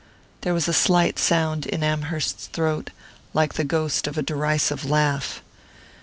There was a slight sound in Amherst's throat, like the ghost of a derisive laugh.